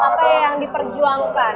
apa yang diperjuangkan